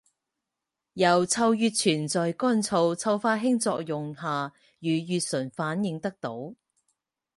由溴乙醛在干燥溴化氢作用下与乙醇反应得到。